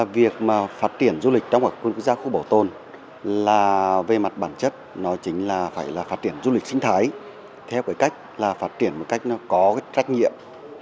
việc mà phát triển du lịch trong các quốc gia khu bảo tồn là về mặt bản chất nó chính là phải là phát triển du lịch sinh thái theo cái cách là phát triển một cách nó có cái trách nhiệm